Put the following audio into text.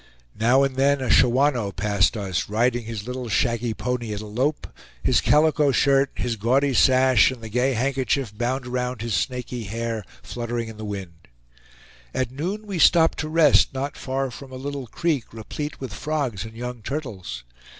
Now and then a Shawanoe passed us, riding his little shaggy pony at a "lope"; his calico shirt, his gaudy sash, and the gay handkerchief bound around his snaky hair fluttering in the wind. At noon we stopped to rest not far from a little creek replete with frogs and young turtles.